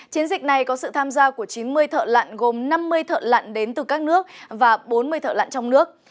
chiến dịch này có sự tham gia của chín mươi thợ lặn gồm năm mươi thợ lặn đến từ các nước và bốn mươi thợ lặn trong nước